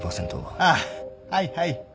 ああはいはい。